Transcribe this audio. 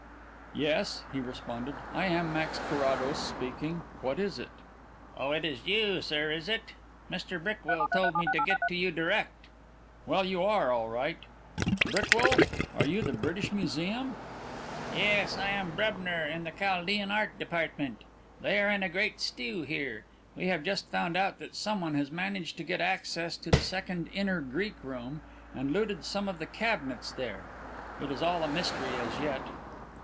"Yes," he responded; "I am Max Carrados speaking. What is it?" "Oh, it is you, sir, is it? Mr Brickwill told me to get to you direct." "Well, you are all right. Brickwill? Are you the British Museum?" "Yes. I am Brebner in the Chaldean Art Department. They are in a great stew here. We have just found out that someone has managed to get access to the Second Inner Greek Room and looted some of the cabinets there. It is all a mystery as yet."